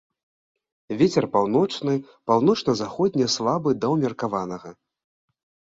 Вецер паўночны, паўночна-заходні слабы да умеркаванага.